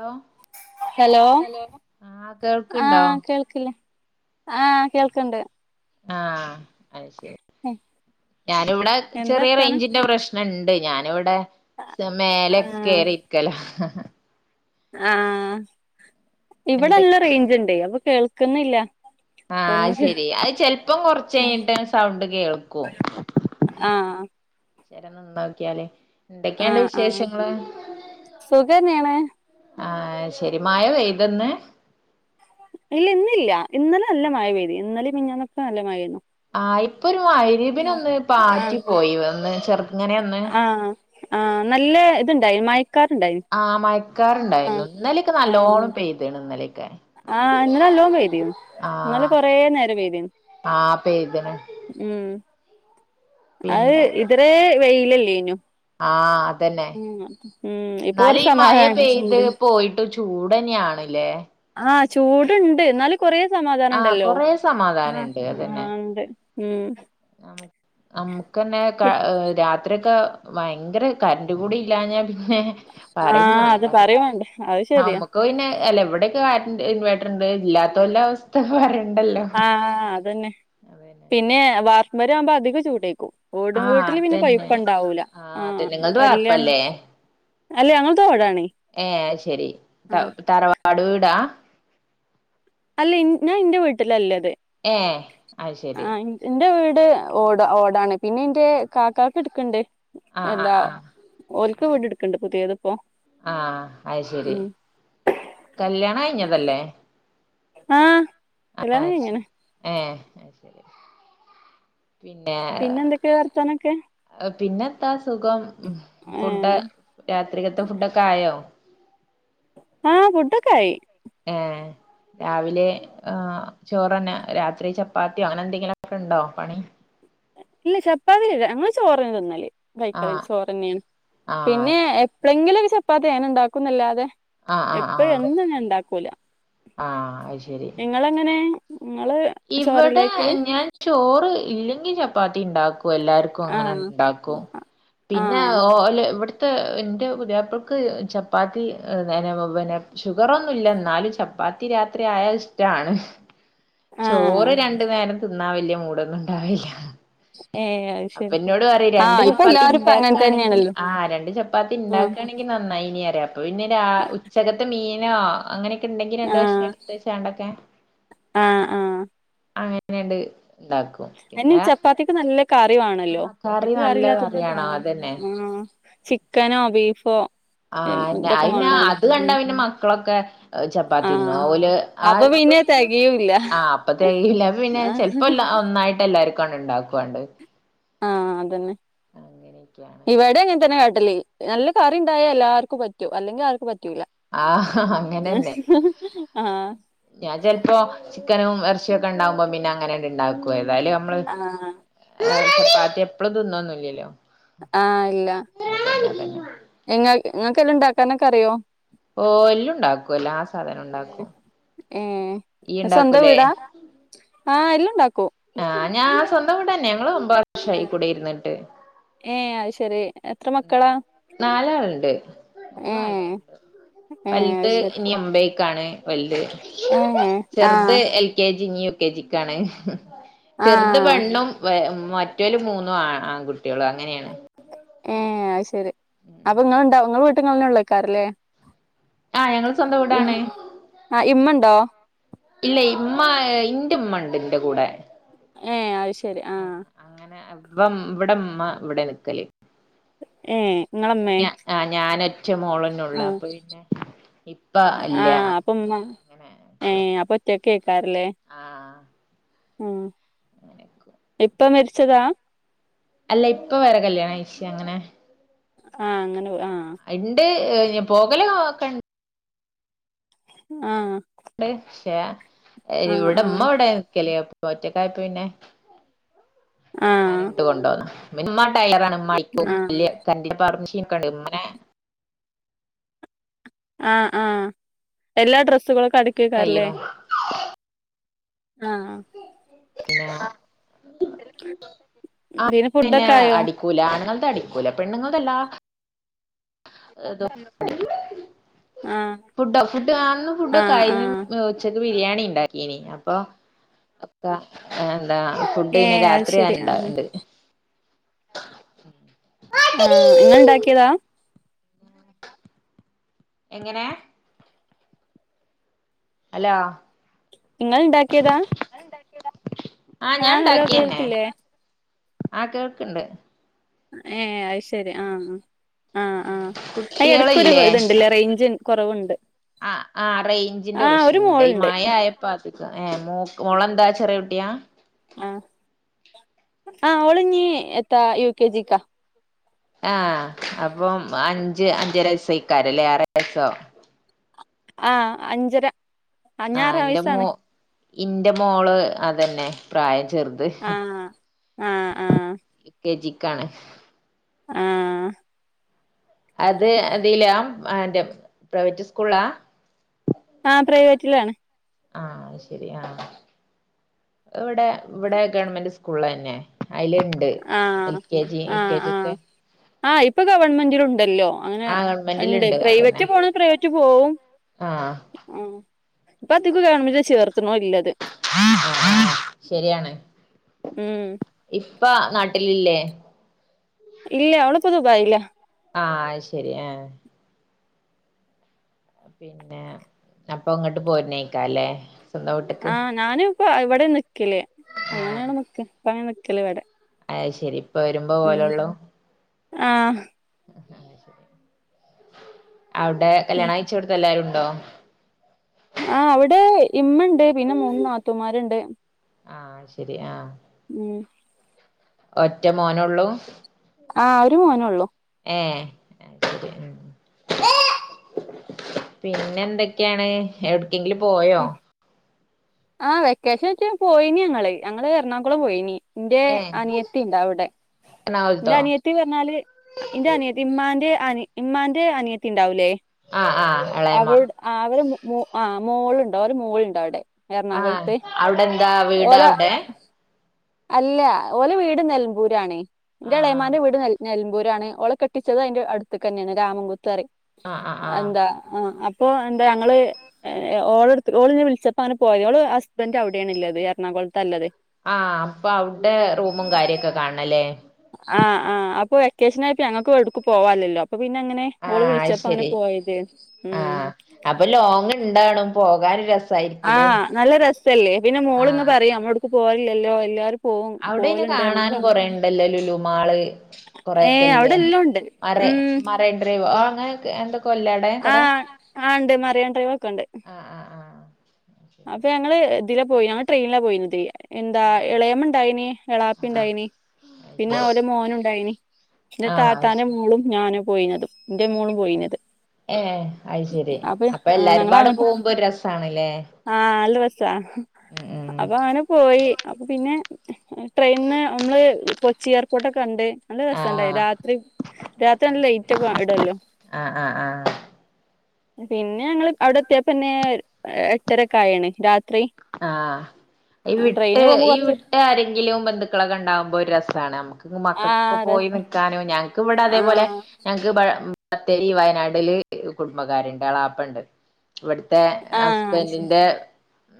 Hello hello ആഹ കേൾക്കണ്ടോ ആഹ് കേൾക്കില്ലേ ആഹ് കേൾക്ക്ണ്ട് ആഹ അ ശരി ഞാനിവിടെ എന്താ ചെറിയ വർത്താനം റേഞ്ചിന്റെ പ്രശ്നം പുണ്ട് ഞാനിവിടെ മേലെ ആഹ് കേറിയിരിക്കലോ ആഹ എന്തെ ഇവിടെല്ല റേഞ്ച് ഉണ്ട് അപ്പൊ കേൾക്കുന്നില്ല ആഹ ഒന്ന് അത് കേ ശെരി അത് ചെിലപ്പം കൊറച്ച കഴിഞ്ഞിട്ട്െ സൗണ്ട് കേൾക്കും ആഹ് ശരന്ന നോക്കിയാലേ എന്തൊക്കെയാണ്ട് ആഹ് ആഹ് വിശേഷങ്ങള് സുഖന്നെയാണ് ആ ശരിമായ വ ഇതെന്ന് ഇല്ല ഇന്നില്ല ഇന്നലെ നല്ല മഴ പെയ്തി ഇലെ മെഞ്ഞിനാന്നൊക്കെ നല്ല മഴനു ആഹ് ഇപ്പൊ ഒരമയിരിബിന് ഒന്ന് ആഹ് പാറ്റി പോയി വന്ന് ചെർങ്ങനെ ഒന്ന് ആ നല്ല ഇതുണ്ടായി മയക്കാറണ്ടായി ആഹ് മയക്കാറണ്ടായിരുന്നു ഇന്നലെയൊക്കെ നല്ല ലോണ് പേ ചെയ്തേണ് ഇന്നലെയൊക്കെ ആഹ ഇന്നലെ നല്ലോം പെയതിം എന്നാല ആഹ് കൊറ നേരം വെയതിം ആഹ് പെയ്ത്ണ് ഉം അത് പിന്നെ ഇതേ വെയിലല്ലേഞ്ഞു ആഹ അതന്നെ ഉ ഉ എന്നാല ഈ മഴ പെയ്ത് പോയിട്ട് ചൂടന്നെയാണല്ലേ ആഹ് ചൂടുണ്ട് എന്നാല് കൊറേ സമാധാനം ആഹ് ഉണ്ടല്ലോ കൊറേ ആഹ് സമാധാനണ്ട് ആ ഉണ്ട് ഉം നമുക്ക്ന്നെ പി രാത്രി ക്കെ ഭയങ്കര കറന്റ് കൂടി ഇല്ലാ ഞ്ഞപിന്നെ ആഹ് അത് പറയുംവണ്ട പറയും വേണ്ട അത് ആ ശരിയാ ഇപ്പൊ പിന്നെ അല്ല ഇവിടയൊക്കെ വ ഇൻവേർട്ടർ ഉണ്ട് ഇല്ലാത്തെല്ല അവസ്ഥപറയണ്ട ആഹ അതന്നെ അതന്നെ പിന്നെ വാർപ്പ് െപര ആവുമ്പോ അധികം ചൂടേക്കും ഓടും ആഹ് വീട്ടില് പിന്നെ അതന്നെ കൊയപ്പുണ്ടാവൂല ആഹ് ആഹ അതന്നെ നിങ്ങൾത് വല്ല വാർപ്പല്ലേ ഏ ശരി ആഹ് തറവാട് വീടാ അല്ല ഞാൻ എന്റെ വീട്ടിലല്ലേ അത് ഏ അയ് ശരി എന്റെ വീട് ഓട ഓടാണ് പിന്നെ എന്റെ കാക്കക്ക്െ എടുക്കണ്ട് ആഹ് എന്താ ആഹ് ആഹ് ഒരിക്ക വീട് എടുക്കണ്ട് പുതിയത് ഇപ്പോൊ ആഹ അത് ശരി കല്യാണം കഴിഞ്ഞതല്ലേ ആഹ് ആഹ് കലൃണം അത് കഴിഞ്ഞ്ക്ക്ണ് ശരി ഏ പിന്നെ എന്തൊക്കെയാ വർത്താനൊക്കെ പിന്നെ എത്താ സുഖം ഫുഡ ഏഹ് രാത്രികത്തെ ഫുഡൊക്കെ ആയോ അഹ് ഫുടൊക്കെ ആയി ഏഹ് രാവിലെ ഉഹ് ചോറ ണെ രാത്രി ചപ്പാത്തിയോ അങ്ങനെ എന്തെങ്കിലുമ ഒക്കെ ഉണ്ടോ പണി ഇല്ല ചപ്പാതിരില്ല ഞങ്ങൾ ചോറ്നയാ തിന്നല് കൈക്കറി ആഹ് ചോറന്നെയാണ് ആഹ് പിന്നെ എപ്പഴെങ്കിലും ഒരു ചപ്പാത്തി അങനെ ഉണ്ടാക്കുന്നല്ലാതെ ആഹ് എപ്പഴും എന്നും ഞാ ഇണ്ടാക്കൂല അഹ് അയ് ശരി നിങ്ങളങ്ങനെ ങ്ങള് ഇവിടെ ഞാൻ ചോറ് ഇല്ലെങ്കിൽ ചപ്പാത്തി ഉണ്ടാ ക്കും എല്ലാർക്കും അങ്ങനെ ആഹ് ഉണ്ടാക്കും പിന്നെ ആഹ് ഓല് ഇവി ത്തെ എന്റെ പുതിയപ്പൾക്ക് ചപ്പാത്തി ഷുഗർ ഒന്നുല്ല എന്നാലും ചാപ്പ പ്പാത്തി രാത്രി ആയാൽ ഇഷ്ടാണ് ചോറ് ആഹ് രണ്ടു നേരം തിന്നാൻ വലിയ മൂടൊന്നും ഇണ്ടാവില്ല ഏഹ് അത് അപ്പ ശരി എന്നോട് പറയും രണ്ട് ആഹ് ഇപ്പൊ ചപ്പാത്തി എല്ലാരും ഇപ്പ അങ്ങനെ ഉണ്ടാക്കയാണെങ്കിൽ തന്നെയാണല്ലോ ആ രണ്ട് ചപ്പാത്തി ആഹ് ഉണ്ടാക്കയാണെങ്ക ങ്കി നന്നായി ഇനി അറിയാം അപ്പ പിന്നെ ര ഉച്ചകത്ത് മീനോ അങ്ങനെ തിണ്ടെങ്ക രണ്ട് കഷ്ണ എടുതെ ചാണ്ടൊക്കെ അഹ് അ അങ്ങനെയണ്ട് ഇണ്ടാക്കും അതിന് പിന്നെ ചപ്പാത്തിക്ക് നല്ല കറിവാണല്ലോ ആഹ് കറി എനിക്ക് നല്ല കറിയില്ലാത്ത ആ കറിയാണോ അതന്നെ അഹ് ചിക്കനോ ബീഫോ ആ ഇതൊക്കെ അയിന് വേണല്ലോ അത് കണ്ട ഉം പിന്നാ മക്കളൊക്കെ ചപ്പാത്തിന്നു ആഹ് ഓല് ആ അപ്പൊ പിന്നെ തികയൂല്ല ആ അപ്പ തെക്കയില പിന്നെ ആഹ് ചെലപ്പോ ഒന്നായിട്ട് എല്ലാർ ക്കോ ഉണ്ടാക്കുവാണ്ട് അഹ് അതന്നെ അങ്ങനെയൊക്കെയാണ് ഇവിടെ എങ്ങനെ തന്നെ കാട്ടല് നല്ല കറിണ്ടായൽ എല്ലാർക്കും പറ്റൂ അല്ലെങ്കിൽ ആർക്കും പറ്റൂല്ല ആഹ് അങ്ങനെന്നെ അഹ് ഞാൻ ചെലപ്പോ ചിക്കനും ഇറച്ചിയൊക്കെ ഉണ്ടാവുമ്പോ പിന്നെ അങ്ങനെണ്ട് ഇണ്ടാക്കു ഏതായാലും നമ്മള് ആഹ് ആ ചപ്പാത്തി എപ്പളു തിന്നന്നില്ലല്ലോ ആഹ് ഇല്ല അതന്നെ ഇങ്ങ ഇങ്ങക്കെല്ലാ ഉണ്ടാക്കാനൊക്കെ അറിയോ ഓ എല്ലു ണ്ടാക്കും എല്ലാ സാധനുണ്ടാക്കും ഈയ്യ് ഏഹ് സ്വന്തം ണ്ടാക്കൂല്ലേ. വീടാ ആഹ് എല്ലു ണ്ടാക്കും ആഹ് ഞാൻ സ്വന്തം വീടനെ തന്നെ ഞങ്ങൾ ഒമ്പത് വർഷയി കുടി ഇര്ന്ന്ട്ട്. ഏഹ് അത് ശെരി എത്ര മക്കളാ? നാലാളുണ്ട് ഏഹ് ഏഹ് വൽത് അത് ശരി ഇനി ഒംബയ്ക്കാണ് വൽത് ഏഹ് ആഹ് ചെർത് എൽ കെ ജി ഇഞ് യു കെ ജിക്കാണ് ചെർത് ആഹ് പെണ്ണും വെ മറ്റോലു മൂന്നും ആ ആൺകുട്ട്യാളാ അങ്ങനെണ്. ഏഹ് അത് ശരി അപ്പൊ ഇങ്ങൾ ണ്ടാവും ഇങ്ങൾ വീട്ട്ങ്ങളെനെ ഒള്ളോകാരാ ലെ ആഹ് ഞങ്ങൾ സ്വന്തം വീടാണ്. അഹ് ഇമ്മണ്ടോ? ഇല്ല ഇമ്മ ഇന്റെ മ്മണ്ട് ഇന്റെ കൂടെ ഏഹ് അയ് ശെരി ആഹ് അഹ് അങ്ങനെ വം ഇവടെമ്മ ഇവടെ നിക്കല് ഏഹ് ഇങ്ങളമ്മേ ഞാ ആഹ് ഞാനൊറ്റ മോളനൊള്ളൂ ആഹ് അപ്പം പിന്നെ ഇപ്പ ഇല്ല. അപ്പൊ പിന്നെ [unintelligible] അങ്ങനെ ഏഹ് അപ്പൊറ്റ കേക്കാരല്ലേ ആഹ് ഉം അങ്ങനെയൊക്കെ ഇപ്പ മെര്ച്ചതാ? അല്ല ഇപ്പ വേറെ കല്യാണം കഴിച്ച് അങ്ങനെ ആഹ് അങ്ങനെ പോ ആഹ് ഇണ്ട് ഏഹ് പോകല് നൊക്കെണ്ട്. ആഹ് ണ്ട് പക്ഷേ ഇവടെ ആ ഇമ്മ ഇവടെ നിക്കല് അപ്പോ ഒറ്റക്കായപ്പം പിന്നെ ആഹ് ഞാന് ഇങ്ങട്ട് കൊണ്ടോന്നാ ഇമ്മ ടൈലറാണ് ഇമ്മ അടിക്കും വല്യ ആ കറണ്ട്ന്റെ പവർ മെഷീനൊക്കെണ്ട് ഇമ്മന്നെ ആഹ് ആഹ് എല്ലാ ഡ്രസ്സുകളൊക്കെ അടി കയ്യ്ണു ആഹ് പിന്നെ ആ [unintelligible] ഇതിന് പിന്നെ ഫുഡൊക്കെ ആയോ അടി കുലാ ആണ്ങ്ങൾത് അടിക്കുലാ പെണ്ണുങ്ങൾ തെല്ലാ ആ [unintelligible] ഫുഡ ഫുഡ് ആഹ് ഇന്ന് ആ ആ ഫുഡൊക്കായിണ് ഏഹ് ഉച്ചക്ക് ബിരിയാണി ണ്ടാക്കീനി അപ്പൊ ഒക്കെ ഏഹ് എന്താ ഏ ഫുഡയ്ന് അത് രാത്രി ശരി അയെന്നെ ആ ഇണ്ടയിണ്ട് ആഹ് ഇങ്ങള് ണ്ടാക്ക്യതാ എങ്ങനെ അലോ ഇങ്ങള്ണ്ടാക്ക്യതാ? ആഹ് ഞാൻ ഹലോ ണ്ടാക്ക്യെന്നെ കേൾക്കില്ലേ ആഹ് കേൾക്ക്ണ്ട് ഏഹ് അയ് ശെരി ആഹ് ആഹ് ആഹ് അയ് എട്ക്കൊര് കുട്ടികളില്ലേ ഇത്ണ്ട്ല്ലേ റെയ്ഞ്ച് കൊറവ്ണ്ട് ആഹ് ആഹ് റെയ്ഞ്ചിന്റെ പ്രശ്നണ്ട് ഈ മോളുണ്ട് മഴായ പ്പാതിക ഏഹ് മോക്ക് മോളെന്താ ചെറ്യേ കുട്ട്യാ ആഹ് ആഹ് ഓള്ഞ്ഞി എത്താ യു കെ ജിക്കാ ആഹ് അപ്പം അഞ്ച് അഞ്ചരയസ്സെക്കാരല്ലേ ആറെര വയസ്സോ ആഹ് അഞ്ചര ഞാൻ ആഹ് ഇന്റെ മോ റൈസാണ് ഇന്റെ മോള് അതെന്നെ പ്രായം ചേർ ത് ആഹ് ആഹ് ആഹ് യു കെ ജി ക്കാണ്. ആഹ് അത് ഇതിലാ ഏഹ് ന്റെ പ്രൈവറ്റ് സ്കൂൾളാ? ആഹ് പ്രൈവറ്റിലാണ്. ആഹ് അയ് ശരി ആഹ് ഇവടെ ഇവടെ ഗവൺമെന്റ് സ്കൂള് ലന്നെ അയില് ഇണ്ട് ആഹ് ആഹ് ആഹ് ആഹ് ഇപ്പൊ ഗവൺമെന്റിലും ഉണ്ടല്ലോ അങ്ങനെ ആഹ് ഇണ്ട്. ഗവൺമെന്റിലുണ്ട് പ്രൈവറ്റ് അതന്നെ പോണെ പ്രൈവറ്റ് പോവും. ആഹ് ആഹ് ഇപ്പ അതികും ഗവൺമെന്റ് ചേർത്ത്ണോ ഇല്ലത്. ആഹ് ശെര്യാണ്. ഉം ഇപ്പ നാട്ടില് ഇല്ലേ ഇല്ല അവളിപ്പം ദുപായിലാ ആഹ് അയ് ശരി ആഹ് പിന്നെ അപ്പൊ ഇങ്ങട്ട് പോര് നെയ്ക്കാരം ല്ലേ ആഹ് ഞാന് ഇപ്പം ഇവിടെ നിക്കല്. അങ്ങനേണ് നിക്കല്. ഇപ്പം അങ്ങനെ നിക്കല് ഇവടെ. അയ് ശെരി ഇപ്പ വരുമ്പോ പോവ ലൊള്ളൂ ആഹ് ഔടെ കല്യാണം കഴിച്ചോട്ത്ത് എല്ലാരും ഉണ്ടോ? ആഹ് അവിടെ ഇമ്മണ്ട് പിന്നെ മൂന്ന് നാത്തുമാര്ണ്ട്. ആഹ് അയ് ശരി ആഹ് ഉം ഒറ്റ മോനൊള്ളൂ ആഹ് ഒരു മോന് ഒള്ളൂ എഹ് ശെരി ഉം ഉം പിന്നെ എന്തൊക്കെയാണ് എവ്ടക്കെങ്കിലും പോയോ ആ വെക്കേഷൻ വെച്ച പോയിനി. ഞങ്ങള് ഞങ്ങൾ എറണാകുളം പോയിനി. ഇന്റെ ഏഹ് അനിയത്തി ഉണ്ട് ഔടെ. ഇന്റെ എറണാകുളത്തോ അനിയത്തി ത്തി പറഞ്ഞാല്. ഇന്റെ അനിയത്തി ഇമ്മാന്റെ അ ഇമ്മാന്റെ അനിയത്തി ഇണ്ടാവൂല്ലേ ആഹ് ആഹ് എളേയ്മ ആഹ് അവര് ആ മോള്ണ്ട് ഓലെ മോള്ണ്ട് അവ്ടെ ആഹ് എറണാകുളത്ത് അവിടെ എന്താ വീട് ഓല അവിടെ അല്ല ഓലെ വീട് നെലമ്പൂരാണ്. ഇന്റെ ആഹ് എളേമാന്റെ വീട് ന നെൽമ്പൂരാണ് ഓളെ കെട്ട് ട്ടിച്ചത് അയ്ന്റെ അടുത്ത് ക്കെന്നേണ് രാമംകുത്തറിം ആഹ് ആഹ് ആഹ് ആഹ് അഎന്താ ഇപ്പൊ എന്താ ഞങ്ങള് ഓളടു ഓളിനെ വിളിച്ച അങ്ങന പോയ്. ഓള് ഹസ്ബന്റ് അവിടെയാണ്ണ്ല്ലത് എറണാകുളത്തല്ലത്. ആഹ് അപ്പൊ അവിടെ റൂമും കാര്യംക്കെ കാണ് ണല്ലേ ആഹ് ആഹ് അപ്പൊ വെക്കേഷൻ ആയിപ്പ ഞങ്ങക്ക് എവ്ടുക്കു പോവാലല്ലോ. അപ്പ പിന്നെ അങ്ങനെ ഓള് ആഹ് അത് വിളിച്ചെപ്പ അങ്ങനെ ശരി പോയതേനു ഉം ആഹ് അപ്പൊ ലോങ് ഇണ്ടാണും പോകാൻ രസ് ആഹ് നല്ല രസല്ലേ. പിന്നെ മോള് ഇങ്ങെ ആഹ് പറിം നമ്മളൊട്ക്കു പോവൽല്ലല്ലോ എല്ലാരും പോവും അവിടെ അയ്ൻ നെ പോവലുണ്ട് അങ്ങനെ കാണാനും പറഞ്ഞു കൊറേണ്ടല്ലോ ലുലുമാള് കൊറെക്കെ ഏഹ് ഇല്ലേ. അവിടെ എല്ലാം ഉണ്ട് മറേ ഉം മറേ ഡ്രൈവോ അങ്ങനെ എന്തൊക്കെ ഇല്ലടെ ആഹ് ആഹ്ഇണ്ട് മറ്യേൻ ഡ്രൈവൊക്കെ ഇണ്ട്. ആഹ് ആഹ് അപ്പൊ ഞങ്ങള് ഇതില പോയി. ഞങ്ങ ട്രെയിനില പോയിന്യേത് എന്താ ആഹ് ആഹ് എളേമ ഇണ്ടായിനി. എളാപ്പി ഇ ണ്ടായിനീ ആഹ് ആഹ് അത് പിന്നെ അവലെ ശരി മോനുണ്ടായിനി. ഇന്റെ ആഹ് താത്താന്റെ മോളും ഞാനു പോയിന്യെത്. ഏഹ് അത്ശരി അപ്പൊ ആ എല്ലാരുംപാടെ ഞങ്ങളങ്ങട്ട് പോകുമ്പോ ഒര് രസാണ്ല്ലേ. ആഹ് അല്ല രസ. ഉം ഉം അപ്പൊ അങ്ങനെ പോയി അപ്പൊ പിന്നെ ട്രെയിന്ന് നമ്മള് കൊച്ചി എയർപോർട്ടക്കെ കണ്ട് നല്ല രസണ്ടായി ആഹ് രാത്രി രാത്രി അത് നല്ല ശരി. ലെയറ്റ് ഒക്കെ ഇടല്ലോ ആഹ് ആഹ് ആഹ് പിന്നെ ഞങ്ങള് അവിടെ എത്ത്യേപ്പെന്നെ എട്ടരക്ക ആയിണ് രാത്രി ആഹ് ഈ വിട്ട് ട്രെയിന് പോകുമ്പോ ഈ കൊറച്ച് വിട്ട് ആരെങ്കിലും ബന്ധുക്കളൊക്കെ ഉണ്ടാകുമ്പോ ഒരു രസാണ് നമക്ക്. മക്കക്കൊക്കെ ആഹ് രസ പോയി നിക്കാനോ ഞങ്ങക്ക് ഇവടെ അതേപോലെ ആഹ് ഞ ബത്തേരി വയനാട്ല് കുടുംബക്കാര്ണ്ട് എളാപ്പണ്ട്. ഇവിട്ത്തെ ആഹ് അത് ശരി ഹസ്ബൻഡിന്റെ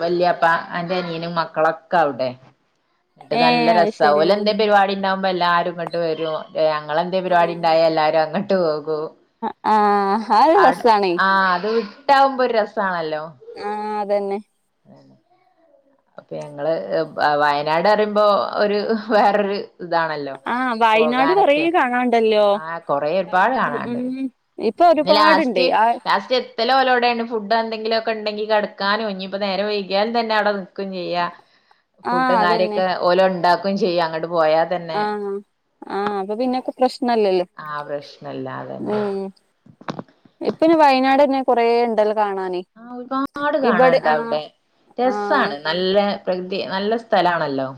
വല്യപ്പ അയിന്റെ അനിയനും മക്കളൊക്കെ അവ്ടെ എന്നട്ട് നല്ല ഏഹ് അത് രസ ശരി ഓലെ എന്തേ പരിപാടി ഉണ്ടാവുമ്പോ എല്ലാരും ഇങ്ങട്ട് വരും. ഞങ്ങെളന്തേ പരിപാടി ആഹ് ഉണ്ടായ എല്ലാരും അങ്ങോട്ട് പോകൂ ആഹ് അത് അ രസാണേ ആ അത് വിട്ടാവുമ്പോൊ ഒരു രസാണല്ലോ ആഹ അതന്നെ [unintelligible] അപ്പൊ ഞങ്ങള് വയനാട് പറയുമ്പോ ഒരു വേറര് ഇതാണല്ലോ ആഹ് വയനാട് കൊറേ പോകാനൊക്കെ കാണാണ്ടല്ലോ ആ കൊറേ ഒരുപാട് വയനാടില് കാണാണ്ട് ഉം ഇപ്പൊ ഇന്ന് ഒരുപാടുണ്ട് ലാസ്റ്റ് ആഹ് ലാസ്റ്റ് ഇത്തല ഓലെവിടെണ് ഫുഡ് എന്തങ്കിലൊക്കെ ഉണ്ടെങ്കിൽകെ ടക്കാനും ഇഞ്ഞ് ഇപ്പം നേരെ വൈകിലും തന്നെ അവി ചെയ്യ ആഹ് ഫുഡും അതന്നെ കാര്യൊക്കെ ഓലോ ഉണ്ടാക്കുംചെയ്യാം അങ്ങോട്ട് പോയാ തന്നെ ആഹ ആഹ് അപ്പൊ പിന്നെക്കെ പ്രശ്നല്ലല്ലോ ആ പ്രശ്നല്ലാ അതന്നെ ഇപ്പ അയിന് വയനാട്ന്നെ കൊറെേ ഉണ്ടല്ലോ കാണാന് ആഹ ഒരുപാട് ഇബടെ കാണാനുണ്ട് ആഹ് അവിടെ ആഹ് രസാണ് നല്ല പ്രകൃതി നല്ല സ്ഥലണല്ലോ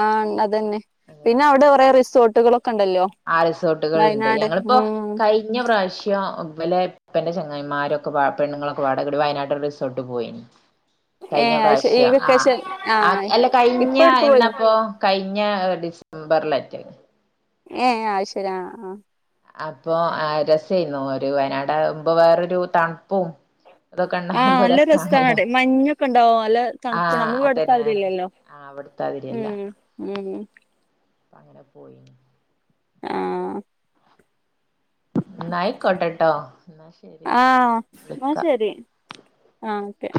ആ അതന്നെ പിന്നെ അവിടെ കൊറെേ റിസോർട്ടുകളൾൊക്കെ ഉണ്ടല്ലോ ആ റിസോർട്ടുകളൾ ഉണ്ട് ഞങ്ങളിപ്പോ കഴിഞ്ഞ പ്രാവശ്യം വലെ ഇപ്പന്റെ ചെങ്ങായിമാരു ഒക്കെ പെണ്ണുങ്ങളൊക്കെ വാടെ വയനാട്ടില് റിസോർട്ട് പോയിനി കഴിഞ്ഞ ഏഹ് അത് ശരി ഈ പ്രാവശ്യം ആഹ് വെക്കേഷൻ ആ ആഹ് എല്ല കഴിഞ്ഞ ഇപ്പ എവ്ട്ക്ക് പോയിന് എന്നാപ്പോ കഴിഞ്ഞ ഡിസംബറിലറ്റെ ഏ ആയ്ശരി ആ അപ്പൊ രസെയ്ര്ന്നു ഒരു വയനാട് ആകുമ്പൊ വേറൊരു തണുപ്പും അതൊക്കെ ആഹ് ഉണ്ടാവുമ്പോ നല്ല രസാണ് രസാണല്ലോ അവടെ മഞ്ഞൊക്കെ ഇണ്ടാവും നല്ല തണുപ്പും ആഹ നമ്മളെ ഇവട്ത്തെ അതന്നെ മാതിരി തന്നെ അല്ലല്ലോ ആ അവിടുത്താതിരിയല്ല ഉം ഉം അപ്പൊ അങ്ങനെ പോയിനി ആഹ ന്നാ ആയികോട്ടെട്ടോ ആഹ ന്നാ ശരി ആഹ ഓക്കെ